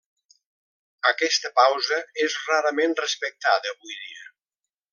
Aquesta pausa és rarament respectada avui dia.